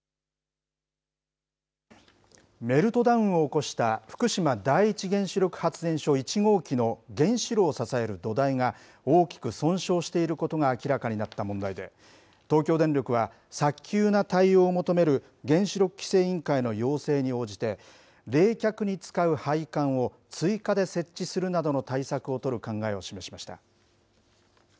メルトダウンを起こした福島第一原子力発電所１号機の原子炉を支える土台が、大きく損傷していることが明らかになった問題で、東京電力は、早急な対応を求める原子力規制委員会の要請に応じて、冷却に使う配管を追加で設置するなどの対策を取る考えを示しました。